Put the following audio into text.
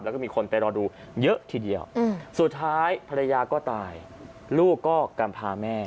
แล้วก็มีคนไปรอดูเยอะทีเดียวสุดท้ายภรรยาก็ตายลูกก็กำพาแม่